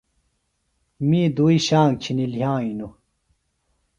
می دوئیۡ شانگ چِھنیۡ لِھیئیانوۡ